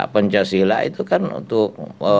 pancasila itu kan untuk